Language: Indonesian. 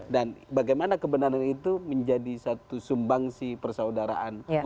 dan bagaimana kebenaran itu menjadi satu sumbangsi persaudaraan